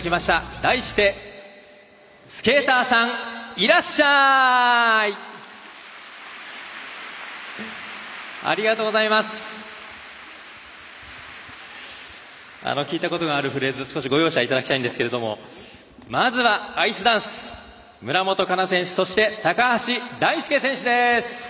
題して「スケーターさんいらっしゃい」。ありがとうございます。聞いたことのあるフレーズ少しご容赦いただきたいんですがまずは、アイスダンス村元哉中選手そして、高橋大輔選手です。